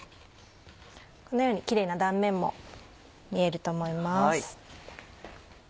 このようにキレイな断面も見えると思います。